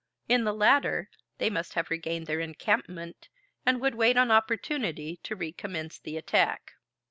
In the latter, they must have regained their encampment, and would wait on opportunity to recommence the attack.